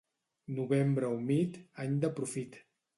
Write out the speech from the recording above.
Novembre humit, any de profit.